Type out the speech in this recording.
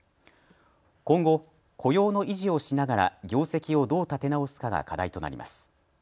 今後、雇用の維持をしながら業績をどう立て直すかが課題となります。